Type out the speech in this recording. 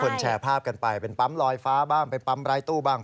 แชร์ภาพกันไปเป็นปั๊มลอยฟ้าบ้างไปปั๊มรายตู้บ้าง